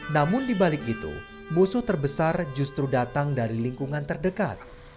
namun dibalik itu musuh terbesar justru datang dari lingkungan terdekat